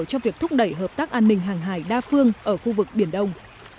cho việc thúc đẩy hợp tác an ninh hàng hải đa phương ở khu vực biển đông